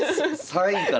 ３位から？